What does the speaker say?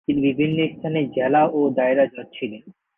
তিনি বিভিন্ন স্থানে জেলা ও দায়রা জজ ছিলেন।